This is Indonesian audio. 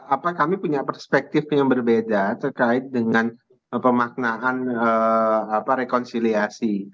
apa kami punya perspektif yang berbeda terkait dengan pemaknaan rekonsiliasi